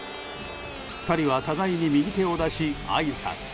２人は互いに右手を出しあいさつ。